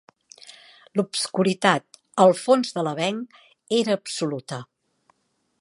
L'obscuritat, al fons de l'avenc, era absoluta.